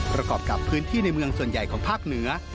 ประกอบกับพื้นที่ในเมืองส่วนใหญ่ของภาคเหนือ